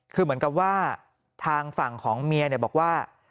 คือเหมือนกับว่าทางฝั่งของเมียเนี่ยบอกว่า